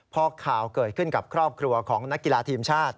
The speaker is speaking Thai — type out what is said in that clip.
พอข่าวเกิดขึ้นกับครอบครัวของนักกีฬาทีมชาติ